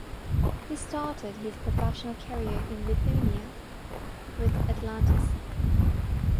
He started his professional career in Lithuania with Atlantas.